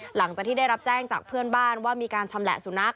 หลังจากที่ได้รับแจ้งจากเพื่อนบ้านว่ามีการชำแหละสุนัข